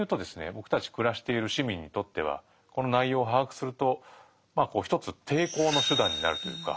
僕たち暮らしている市民にとってはこの内容を把握すると一つ抵抗の手段になるというか。